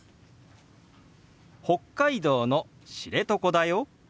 「北海道の知床だよ」。